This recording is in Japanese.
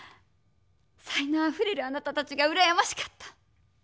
才のうあふれるあなたたちがうらやましかった。